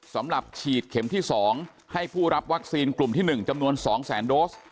สำหรับฉีดเข็มที่๒ให้ผู้รับวัคซีนกลุ่มที่๑จำนวน๒แสนโดส